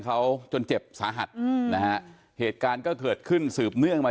เขาจนเจ็บสาหัสอืมนะฮะเหตุการณ์ก็เกิดขึ้นสืบเนื่องมา